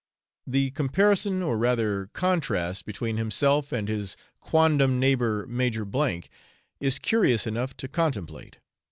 The comparison, or rather contrast, between himself and his quondam neighbour Major , is curious enough to contemplate.